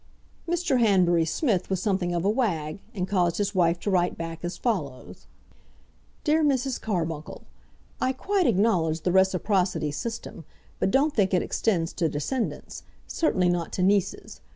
Mr. Hanbury Smith was something of a wag, and caused his wife to write back as follows: DEAR MRS. CARBUNCLE, I quite acknowledge the reciprocity system, but don't think it extends to descendants, certainly not to nieces.